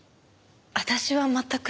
私は全く。